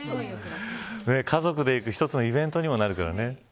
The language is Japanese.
家族で行く１つのイベントにもなるからね。